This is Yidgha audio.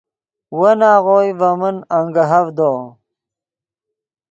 ون آغوئے ڤے من انگیہڤدو